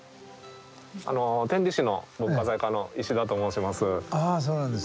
天理市の文化財課の石田と申します。